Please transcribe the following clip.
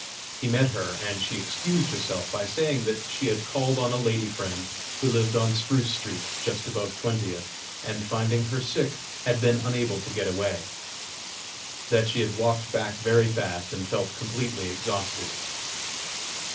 He met her and she excused herself by saying that she had called on a lady friend who lived on Spruce street, just above Twentieth, and finding her sick had been unable to get away; that she had walked back very fast and felt completely exhausted.